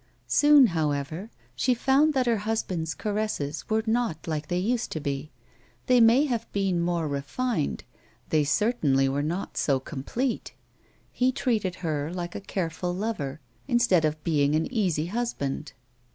Soon, however, she found that her husband's caresses were not like they used to be ; they may have been more refined, they certainly were not so complete. He treated her like a careful lover, instead of being an easy husband.